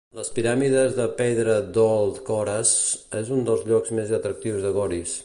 Les piràmides de pedra d'Old Kores es un dels llocs més atractius a Goris.